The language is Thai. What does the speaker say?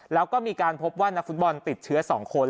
แล้วก็มีการพบว่านักฟุตบอลติดเชื้อ๒คน